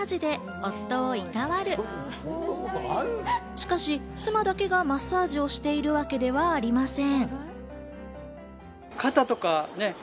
しかし妻だけがマッサージをしてるわけではありません。